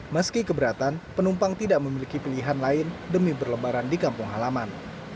meski keberatan penumpang tidak memiliki pilihan lain demi berlebaran di kampung halaman